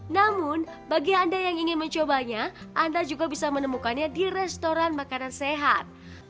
namun bagi anda yang ingin mencobanya anda juga bisa menemukannya di restoran makanan sehat